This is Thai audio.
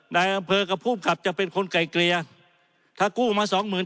นายอำเภอกับผู้ขับจะเป็นคนไกลเกลี่ยถ้ากู้มาสองหมื่น